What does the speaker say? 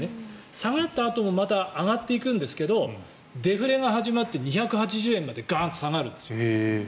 下がったあともまた上がっていくんですけどデフレが始まって２８０円までガンと下がるんですよ。